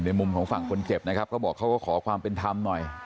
มุมของฝั่งคนเจ็บนะครับเขาบอกเขาก็ขอความเป็นธรรมหน่อย